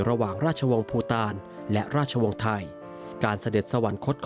ระหว่างราชวงศ์พูตารและราชวงศ์ไทย